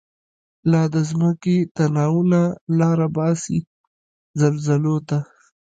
لا دځمکی تناوونه، لاره باسی زلزلوته